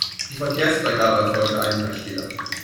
Die Verkehrsfreigabe erfolgte einen Tag später.